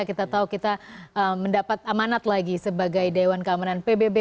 kita tahu kita mendapat amanat lagi sebagai dewan keamanan pbb